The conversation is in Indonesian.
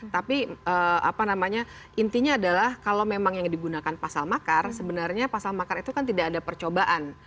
tapi apa namanya intinya adalah kalau memang yang digunakan pasal makar sebenarnya pasal makar itu kan tidak ada percobaan